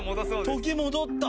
時戻った！